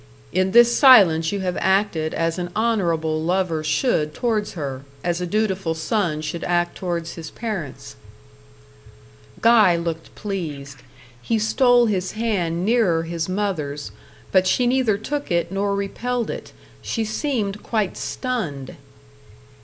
"In this silence you have acted as an honourable lover should towards her; as a dutiful son should act towards his parents." Guy looked pleased. He stole his hand nearer his mother's, but she neither took it nor repelled it; she seemed quite stunned.